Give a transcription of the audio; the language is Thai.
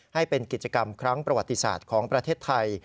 ให้เป็นกิจกรรมครั้งประวัติศาสตร์ของประเทศไทย